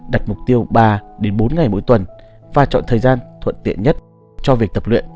đặt mục tiêu ba bốn ngày mỗi tuần và chọn thời gian thuận tiện nhất cho việc tập luyện